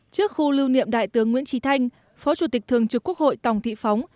trước khu lưu niệm đại tướng nguyễn trí thanh phó chủ tịch thường trực quốc hội tòng thị phóng